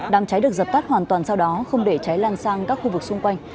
đám cháy được dập tắt hoàn toàn sau đó không để cháy lan sang các khu vực xung quanh